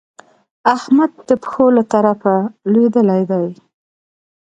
احمد د پښو له ترپه لوېدلی دی.